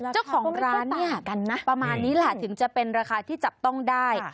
เจ้าของร้านเนี่ยประมาณนี้แหละถึงจะเป็นราคาที่จับต้องได้